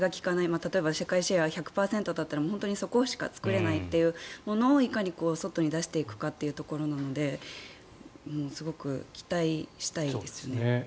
例えば世界シェアが１００％だと本当にそこしか作れないものをいかに外に出していくかというところなのですごく期待したいです。